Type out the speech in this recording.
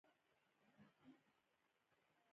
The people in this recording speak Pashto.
صحي عادتونه د اوږد ژوند سبب کېږي.